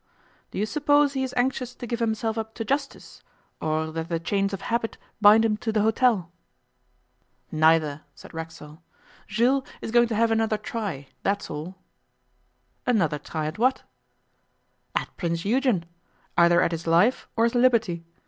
Do you suppose he is anxious to give himself up to justice, or that the chains of habit bind him to the hotel?' 'Neither,' said Racksole. 'Jules is going to have another try that's all.' 'Another try at what?' 'At Prince Eugen. Either at his life or his liberty.